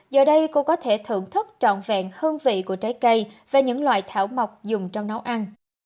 giờ đây cô có thể thưởng thức trọn vẹn hương vị của trái cây và những loại thảo mộc dùng trong nấu ăn